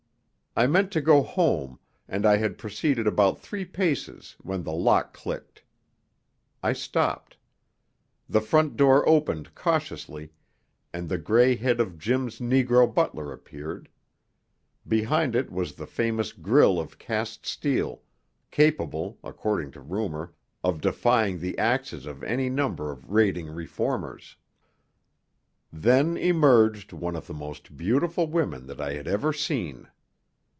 I meant to go home, and I had proceeded about three paces when the lock clicked. I stopped. The front door opened cautiously, and the gray head of Jim's negro butler appeared. Behind it was the famous grille of cast steel, capable, according to rumour, of defying the axes of any number of raiding reformers. Then emerged one of the most beautiful women that I had ever seen.